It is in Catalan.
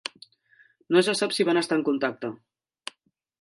No se sap si van estar en contacte.